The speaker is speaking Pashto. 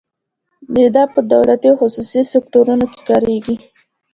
دا په دولتي او خصوصي سکتورونو کې کاریږي.